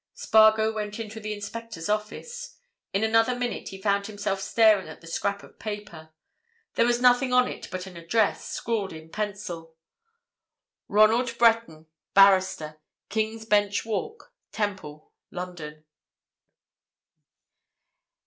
Spargo went into the inspector's office. In another minute he found himself staring at the scrap of paper. There was nothing on it but an address, scrawled in pencil:—Ronald Breton, Barrister, King's Bench Walk, Temple, London.